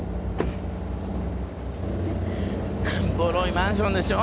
ボロいマンションでしょ？